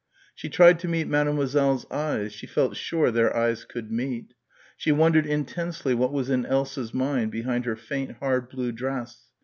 She tried to meet Mademoiselle's eyes, she felt sure their eyes could meet. She wondered intensely what was in Elsa's mind behind her faint hard blue dress.